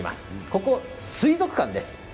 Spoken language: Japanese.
ここは水族館です。